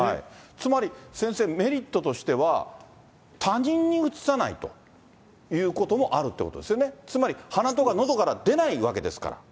つまり、先生、メリットとしては、他人にうつさないということもあるということですよね、つまり鼻とかのどから出ないわけですから。